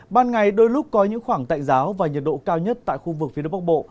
ban ngày đôi lúc có những khoảng tạnh giáo và nhiệt độ cao nhất tại khu vực phía đông bắc bộ